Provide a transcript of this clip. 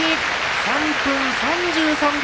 ３分３３秒。